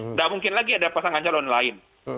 tidak mungkin lagi ada pasangan calon lain